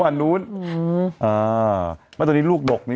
มายูนับไหมคะ